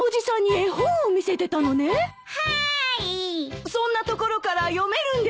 そんな所から読めるんですか？